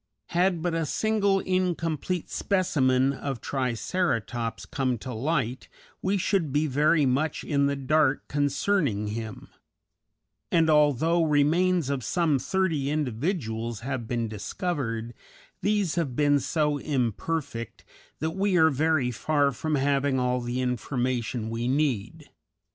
Had but a single incomplete specimen of Triceratops come to light we should be very much in the dark concerning him; and although remains of some thirty individuals have been discovered, these have been so imperfect that we are very far from having all the information we need.